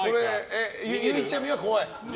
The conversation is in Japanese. ゆいちゃみは怖い？